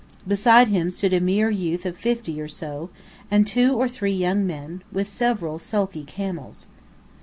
Beside him stood a mere youth of fifty or so, and two or three young men, with several sulky camels.